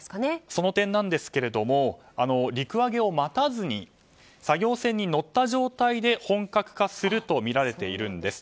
その点ですが陸揚げを待たずに作業船に乗った状態で本格化するとみられているんです。